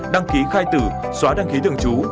đăng ký khai tử xóa đăng ký thường trú